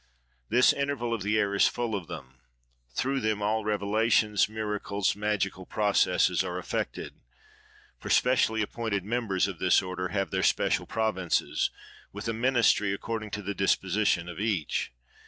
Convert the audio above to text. This interval of the air is full of them! Through them, all revelations, miracles, magic processes, are effected. For, specially appointed members of this order have their special provinces, with a ministry according to the disposition of each.